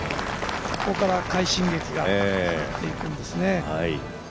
ここから快進撃が始まっていくんですね。